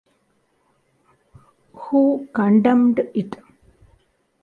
Who condemned it?